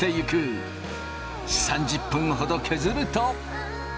３０分ほど削ると。